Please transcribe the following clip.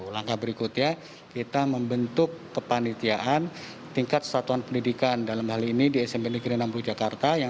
langkah berikutnya kita membentuk kepanitiaan tingkat satuan pendidikan dalam hal ini di smp negeri enam puluh jakarta